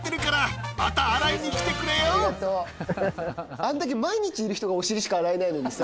あんだけ毎日いる人がお尻しか洗えないのにさ